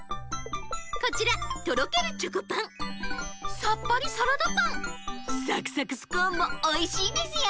こちらとろけるチョコパンさっぱりサラダパンさくさくスコーンもおいしいですよ！